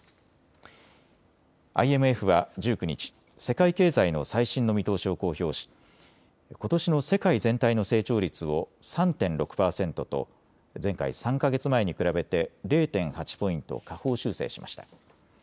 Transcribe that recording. ＩＭＦは１９日、世界経済の最新の見通しを公表しことしの世界全体の成長率を３．６％と前回３か月前に比べて０．８ポイント下方修正しました。